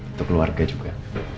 untuk keluarga juga